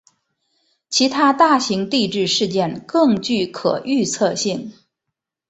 其他大型地质事件更具可预测性。